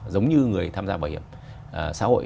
giống như người tham gia bảo hiểm xã hội